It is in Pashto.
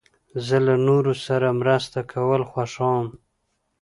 زه له نورو سره مرسته کول خوښوم.